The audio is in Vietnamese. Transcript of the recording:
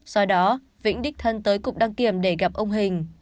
sau đó vĩnh đích thân tới cục đăng kiểm để gặp ông hình